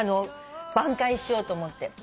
挽回しようと思うって。